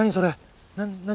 何？